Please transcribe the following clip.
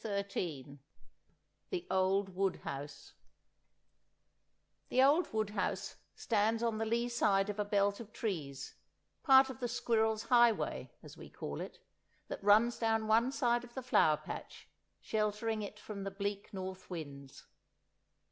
XII The Old Wood House THE old wood house stands on the lee side of a belt of trees, part of the Squirrels' Highway, as we call it, that runs down one side of the Flower patch, sheltering it from the bleak north winds.